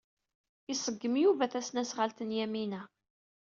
Iṣeggem Yuba tasnasɣalt n Yamina.